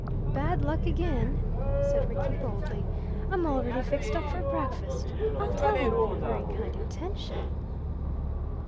"Bad luck again," said Rickie boldly; "I'm already fixed up for breakfast. I'll tell him of your very kind intention."